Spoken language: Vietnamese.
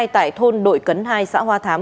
tại thôn đội cấn hai xã hoa thám